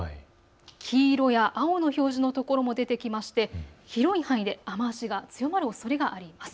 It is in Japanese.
黄色や青の表示の所も出てきまして、広い範囲で雨足が強まるおそれがあります。